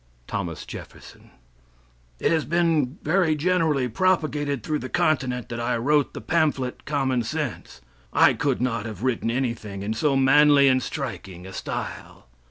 Thomas Jefferson" "It has been very generally propagated through the continent that I wrote the pamphlet "Common Sense." I could not have written anything in so manly and striking a style.